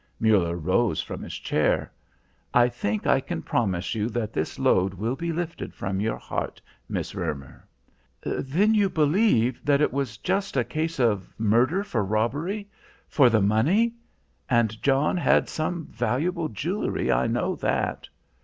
Muller rose from his chair. "I think I can promise you that this load will be lifted from your heart, Miss Roemer." "Then you believe that it was just a case of murder for robbery? For the money? And John had some valuable jewelry, I know that."